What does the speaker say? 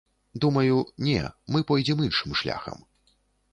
Думаю, не, мы пойдзем іншым шляхам.